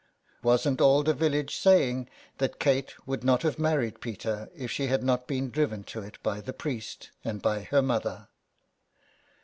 Wasn't ail the village saying that Kate would not have 6^ SOME PARISHIONERS. married Peter if she had not been driven to it by the priest and by her mother.